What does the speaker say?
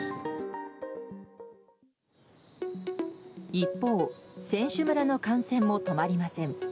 一方、選手村の感染も止まりません。